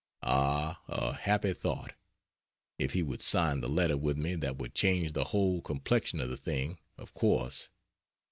(Ah, a happy thought! If he would sign the letter with me that would change the whole complexion of the thing, of course.